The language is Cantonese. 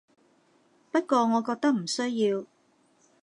不過我覺得唔需要